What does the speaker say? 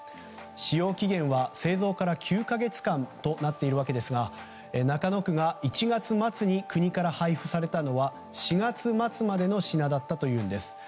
使用期限は製造から９か月間となっているわけですが中野区が１月末に国から配布されたのは４月末までの品だったというんです。